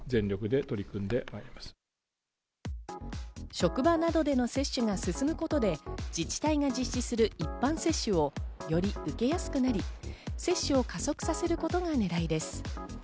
職場などでの接種が進むことで自治体が実施する一般接種をより受けやすくなり接種を加速させることがねらいです。